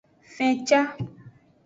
Fenca.